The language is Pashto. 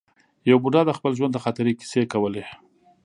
یو بوډا د خپل ژوند د خاطرې کیسې کولې.